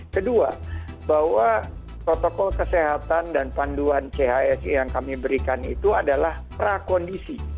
kedua bahwa protokol kesehatan dan panduan chse yang kami berikan itu adalah prakondisi